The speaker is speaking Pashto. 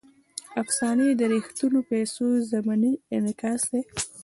افسانې د ریښتونو پېښو ضمني انعکاس دی.